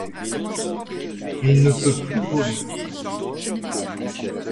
Il ne peut plus voler.